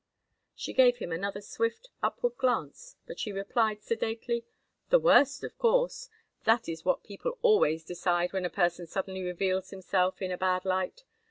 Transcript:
She gave him another swift, upward glance, but she replied, sedately: "The worst, of course. That is what people always decide when a person suddenly reveals himself in a bad light.